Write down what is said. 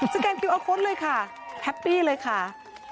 แกนคิวอาร์โค้ดเลยค่ะแฮปปี้เลยค่ะ